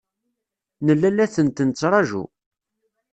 Nella la tent-nettṛaǧu.